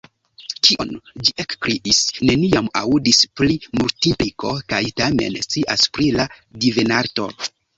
"Kion?" Ĝi ekkriis "neniam aŭdis pri Multimpliko kaj tamen scias pri la Divenarto? »